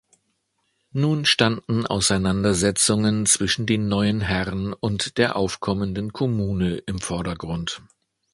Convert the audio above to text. Nun standen Auseinandersetzungen zwischen den neuen Herren und der aufkommenden Kommune im Vordergrund.